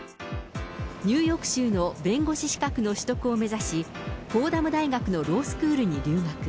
ニューヨーク州の弁護士資格の取得を目指し、フォーダム大学のロースクールに留学。